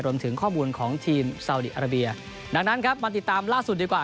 รวมถึงข้อมูลของทีมซาวดีอาราเบียดังนั้นครับมาติดตามล่าสุดดีกว่า